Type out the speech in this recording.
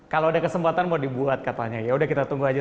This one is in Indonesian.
kalau ada kesempatan mau dibuat katanya yaudah kita tunggu aja